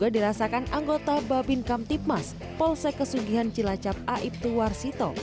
di mana dipercaya sebagai anggota babin kamtipmas polsek kesugihan cilacap aibtu warsito